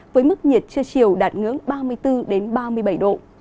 với mức nhiệt chưa chiều đạt ngưỡng ba mươi bốn đến ba mươi bảy độ